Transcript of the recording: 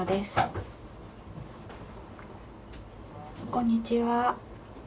こんにちは。